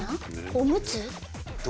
おむつ。